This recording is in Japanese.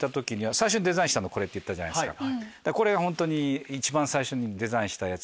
最初にデザインしたのこれって言ったじゃないですか。